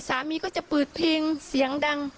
สามีก็จะเปิดเพลงเสียงดัง